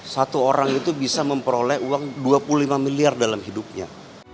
satu orang itu bisa memperoleh uang dua puluh lima miliar dalam hidupnya